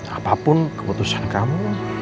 apapun keputusan kamu